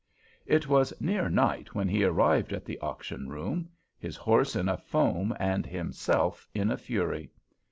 It was near night when he arrived at the auction room—his horse in a foam and himself in a fury.